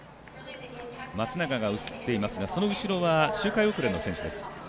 松永が映っていますがその後ろは周回遅れの選手です。